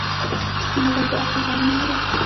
هغوی د عقل غږ نه اورېد.